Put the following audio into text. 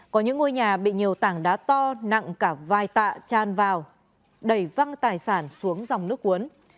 có những ngôi nhà bị nhiều tảng đá to nặng cả vài tạ tràn vào đầy văng tài sản xuống dòng nước cuốn